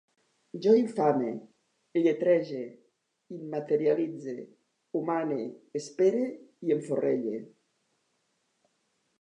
Jo infame, lletrege, immaterialitze, humane, espere, enforrelle